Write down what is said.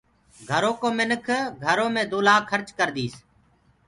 گھرو ڪو مآلڪ گھرو مي دو لآک کرچ ڪرديس